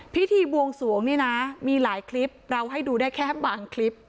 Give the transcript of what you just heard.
พิธีบวงสวงนี่นะมีหลายคลิปเราให้ดูได้แค่บางคลิป